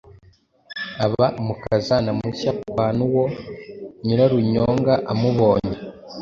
aba umukazana mushya kwa Nuwo. Nyirarunyonga amubonye,